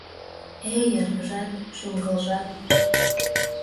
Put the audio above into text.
Эй, эргыжат, шӱм-кылжат!